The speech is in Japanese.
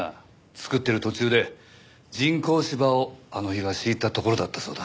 造っている途中で人工芝をあの日は敷いたところだったそうだ。